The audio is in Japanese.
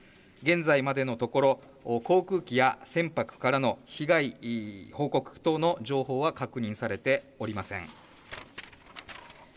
現在までのところ航空機や船舶からの被害、報告等の情報は確認されておりません。